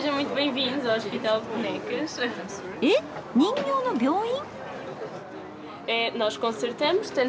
え人形の病院？